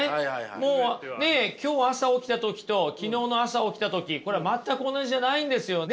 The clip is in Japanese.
もうねっ今日朝起きた時と昨日の朝起きた時これは全く同じじゃないんですよね